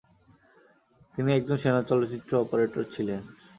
তিনি একজন সেনা চলচ্চিত্র অপারেটর ছিলেন।